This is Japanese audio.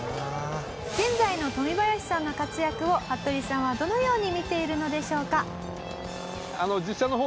現在のトミバヤシさんの活躍を服部さんはどのように見ているのでしょうか？